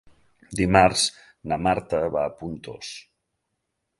Dimarts na Marta va a Pontós.